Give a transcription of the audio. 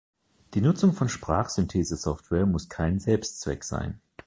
Die Nutzung von Sprachsynthese-Software muss kein Selbstzweck sein.